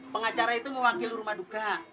pengacara itu mewakili rumah duka